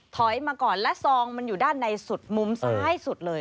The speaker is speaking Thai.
ถอยมาก่อนและซองมันอยู่ด้านในสุดมุมซ้ายสุดเลย